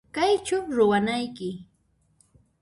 Kaychu ruwanayki?